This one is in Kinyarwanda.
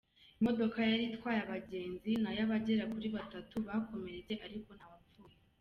Imodoka yari itwaye abagenzi nayo abagera kuri batatu bakomeretse ariko ntawapfuye.